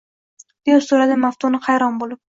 deb so`radi Maftuna hayron bo`lib